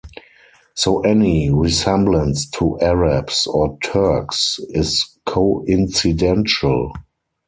So any resemblance to Arabs or Turks is coincidental.